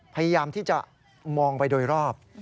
พยายามที่จะมองไปโดยรอบ